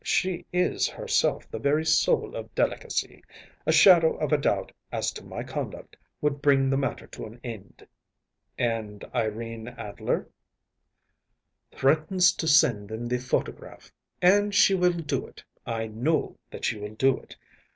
She is herself the very soul of delicacy. A shadow of a doubt as to my conduct would bring the matter to an end.‚ÄĚ “And Irene Adler?‚ÄĚ “Threatens to send them the photograph. And she will do it. I know that she will do it.